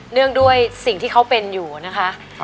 ด้วยสิ่งที่เขาเป็นอยู่นะคะ